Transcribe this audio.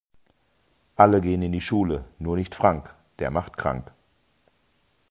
Alle gehen in die Schule, nur nicht Frank, der macht krank.